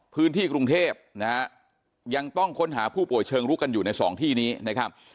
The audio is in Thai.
พื้นที่กรุงเทพนะฮะยังต้องค้นหาผู้ป่วยเชิงรุกกันอยู่ในสองที่นี้นะครับ